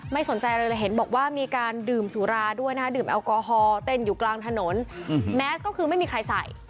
สนใจอะไรเลยเห็นบอกว่ามีการดื่มสุราด้วยนะฮะดื่มแอลกอฮอลเต้นอยู่กลางถนนแมสก็คือไม่มีใครใส่